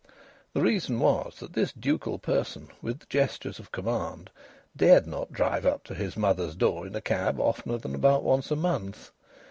The reason was that this ducal person, with the gestures of command, dared not drive up to his mother's door in a cab oftener than about once a month.